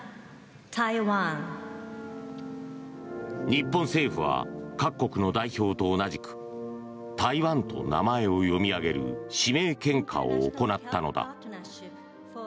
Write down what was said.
日本政府は各国の代表と同じく台湾と名前を読み上げる指名献花を行ったのだ。